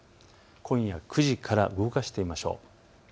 今夜９時から動かしてみましょう。